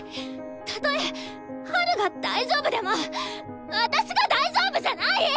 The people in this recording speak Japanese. たとえハルが大丈夫でも私が大丈夫じゃない！